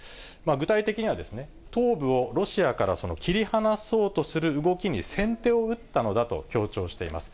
具体的にはですね、東部をロシアから切り離そうとする動きに先手を打ったのだと強調しています。